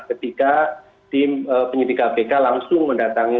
ketika tim penyidik kpk langsung mendatangi